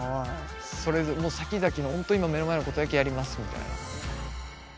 それぞれさきざきのほんと今目の前のことだけやりますみたいな。